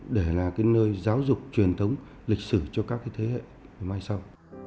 để là nơi giáo dục truyền thống lịch sử cho các thế hệ mai sau